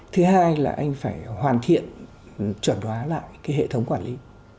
thứ hai là anh phải hoàn thiện chuẩn đoán lại cái hệ thống quản lý